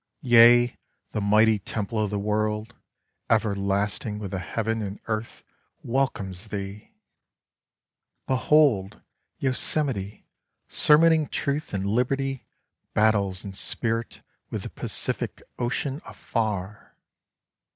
Yea, the mighty Temple of the World, everlasting with the heaven and earth, welcomes thee ! Behold ! Yosemite, sermoning Truth and Liberty, battles in spirit with the Pacific Ocean afar